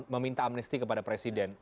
meminta amnesty kepada presiden